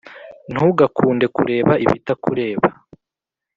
Ntugaklunde kureba ibitakureba